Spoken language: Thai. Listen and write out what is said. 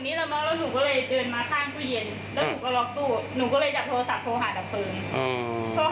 รีบลูดองเกงเก็บนอน